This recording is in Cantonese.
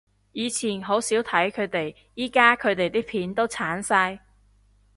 以前好少睇佢哋，而家佢哋啲片都剷晒？